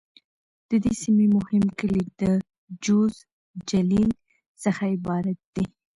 د دې سیمې مهم کلي د: جوز، جلیل..څخه عبارت دي.